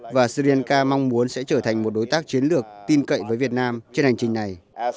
và sri lanka mong muốn sẽ trở thành một đối tác chiến lược tin cậy với việt nam trên hành trình này